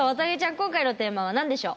今回のテーマは何でしょう。